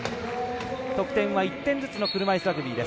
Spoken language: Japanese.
得点は１点ずつの車いすラグビー。